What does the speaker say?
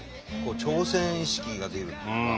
挑戦意識が出るというか。